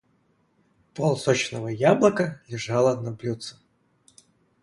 Пол сочного яблока лежало на блюдце.